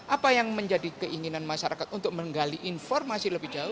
apa yang menjadi keinginan masyarakat untuk menggali informasi lebih jauh